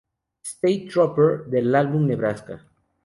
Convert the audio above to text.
State Trooper"" del álbum "Nebraska".